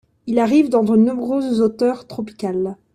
Il arrive dans de nombreuses hauteurs tropicales...